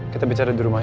kita bicara di rumah ya